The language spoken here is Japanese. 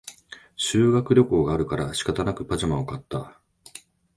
修学旅行があるから仕方なくパジャマを買った